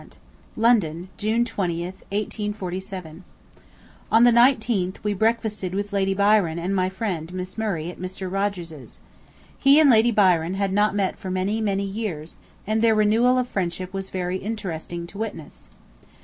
D._ LONDON, June 20, 1847. MY DEAR UNCLE AND AUNT: On the 19th, Saturday, we breakfasted with Lady Byron and my friend, Miss Murray, at Mr. Rogers'. He and Lady Byron had not met for many, many years, and their renewal of old friendship was very interesting to witness.